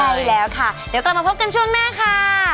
ใช่แล้วค่ะเดี๋ยวกลับมาพบกันช่วงหน้าค่ะ